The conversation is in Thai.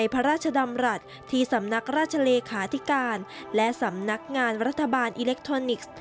พระราชเลขาธิการและสำนักงานรัฐบาลอิเล็กทรอนิกส์